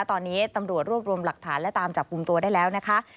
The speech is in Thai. ตอนนี้ตำรวจรวบรวมหลักฐานและตามจับกลุ่มตัวได้แล้วนะคะ